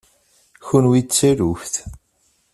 Kenwi d taluft.